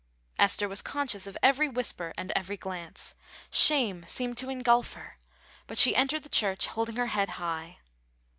Esther was conscious of every whisper and every glance; shame seemed to engulf her, but she entered the church holding her head high.